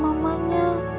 dia udah nanya